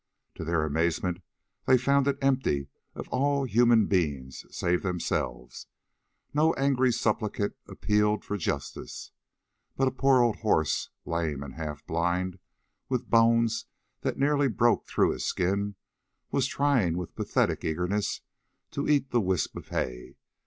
To their amazement they found it empty of all human beings save themselves; no angry supplicant appealed for justice, but a poor old horse, lame and half blind, with bones that nearly broke through his skin, was trying with pathetic eagerness to eat the wisp of hay.